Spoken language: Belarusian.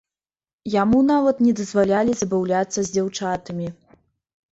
Яму нават не дазвалялі забаўляцца з дзяўчатамі.